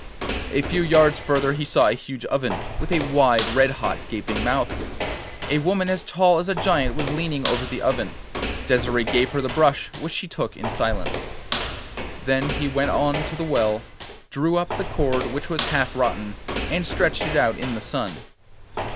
A few yards further he saw a huge oven, with a wide, red hot gaping mouth. A woman as tall as a giant was leaning over the oven. Desire gave her the brush, which she took in silence. Then he went on to the well, drew up the cord, which was half rotten, and stretched it out in the sun.